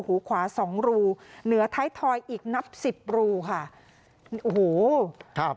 หูขวาสองรูเหนือท้ายทอยอีกนับสิบรูค่ะโอ้โหครับ